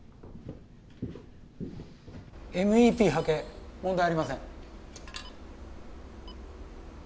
ＭＥＰ波形問題ありません。